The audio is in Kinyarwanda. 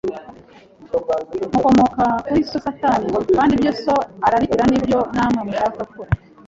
Mukomoka kuri so Satani, kandi ibyo so ararikira ni byo namwe mushaka gukora